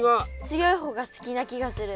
強い方が好きな気がする。